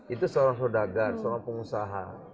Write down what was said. itu seorang sudagang seorang pengusaha